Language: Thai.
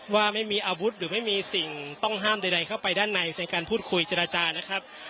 ว่าไม่มีอาวุธหรือไม่มีสิ่งต้องห้ามใดเข้าไปด้านในในการพูดคุยเจรจานะครับ